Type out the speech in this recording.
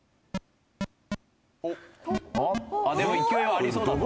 でも勢いはありそうだぞ。